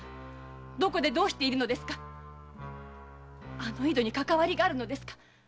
あの井戸にかかわりがあるのですか？